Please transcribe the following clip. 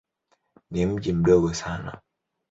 Ni mji mdogo sana.